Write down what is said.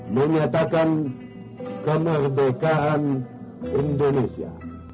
menyatakan kemerdekaan indonesia